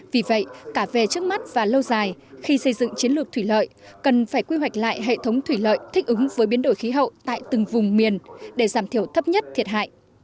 vì vậy cả về trước mắt và lâu dài khi xây dựng chiến lược thủy lợi cần phải quy hoạch lại hệ thống thủy lợi thích ứng với biến đổi khí hậu tại từng vùng miền để giảm thiểu thấp nhất thiệt hại